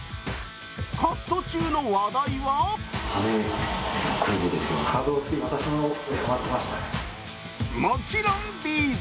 カット中の話題はもちろんＢ’ｚ。